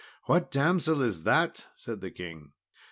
"What damsel is that?" said the king.